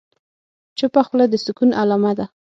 چپه خوله، د سکون علامه ده.